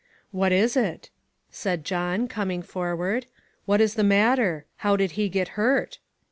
" What is it ?" said John, coming forward. "What is the matter? How did he get hurt?"